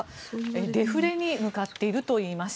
デフレに向かっているといいます。